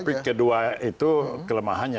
tapi kedua itu kelemahannya